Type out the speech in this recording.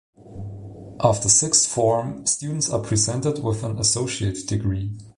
After sixth form, students are presented with an Associate Degree.